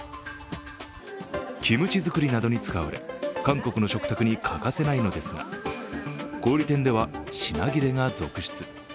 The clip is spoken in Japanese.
キムチ作りなどに使われ韓国の食卓に欠かせないのですが、小売店では、品切れが続出。